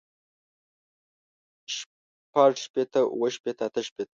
شپږ شپېته اووه شپېته اتۀ شپېته